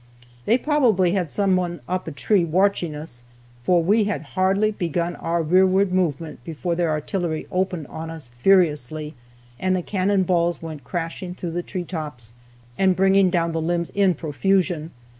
They probably had someone up a tree, watching us, for we had hardly begun our rearward movement before their artillery opened on us furiously, and the cannon balls went crashing through the tree tops, and bringing down the limbs in profusion.